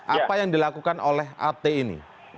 apa yang dilakukan oleh at ini